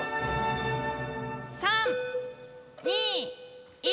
３２１。